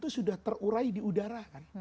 sudah terurai di udara